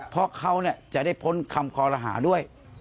เพราะเขาจะได้พ้นคำคอรหาด้วย